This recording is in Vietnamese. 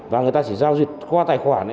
và người ta chỉ giao dịch qua tài khoản